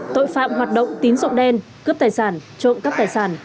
tội phạm hoạt động tín rộng đen cướp tài sản trộm các tài sản